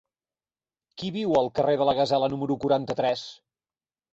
Qui viu al carrer de la Gasela número quaranta-tres?